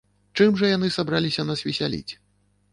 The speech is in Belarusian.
Чым жа яны сабраліся нас весяліць?